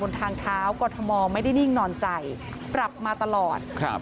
ทางเท้ากรทมไม่ได้นิ่งนอนใจปรับมาตลอดครับ